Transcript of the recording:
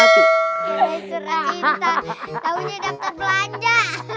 tahunya daftar belanja